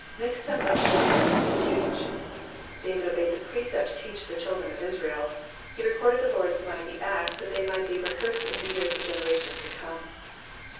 '''' Michtam of David, to teach. David obeyed the precept to teach the children of Israel ; he recorded the Lord^s mighty acts that they might be rehearsed in tlie ears of generations to come.